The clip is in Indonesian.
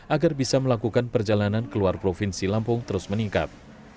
agar bisa melakukan perjalanan keluar provinsi lampung terus meningkat